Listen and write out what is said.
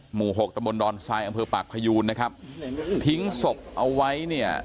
หกตะบนดอนทรายอำเภอปากพยูนนะครับทิ้งศพเอาไว้เนี่ย